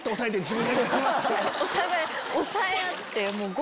お互い押さえ合って。